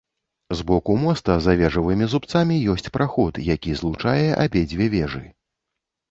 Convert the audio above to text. З боку моста за вежавымі зубцамі ёсць праход, які злучае абедзве вежы.